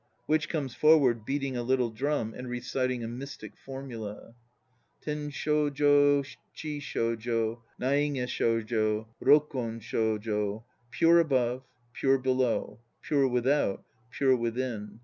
WITCH (comes forward beating a little drum and reciting a mystic formula). Ten shojo; chi shojo. Naige shojo; rokon shojo. Pure above; pure below. Pure without; pure within.